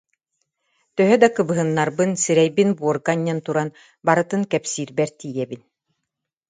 Төһө да кыбыһыннарбын сирэйбин буорга анньан туран барытын кэпсиирбэр тиийэбин